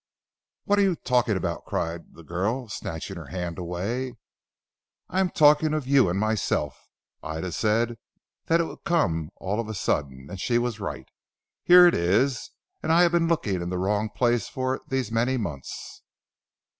"What are you talking about?" cried the girl snatching her hand away. "I am talking of you and myself. Ida said that it would come all of a sudden, and she was right, here it is, and I have been looking in the wrong place for it these many months."